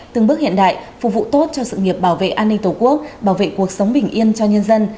từng bước hiện đại phục vụ tốt cho sự nghiệp bảo vệ an ninh tổ quốc bảo vệ cuộc sống bình yên cho nhân dân